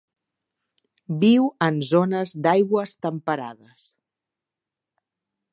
Viu en zones d'aigües temperades.